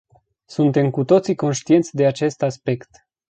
Suntem cu toții conștienți de acest aspect.